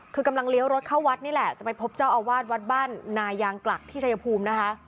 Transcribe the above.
คือกำลังเลี้ยวรถเข้าวัดนี่แหละจะไปพบเจ้าอาวาสวัดบ้านนายางกลักที่ชายภูมินะคะ